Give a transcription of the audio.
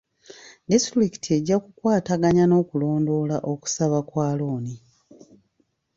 Disitulikiti ejja kukwataganya n'okulondoola okusaba kwa looni.